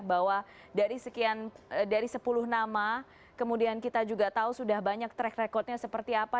bahwa dari sepuluh nama kemudian kita juga tahu sudah banyak track recordnya seperti apa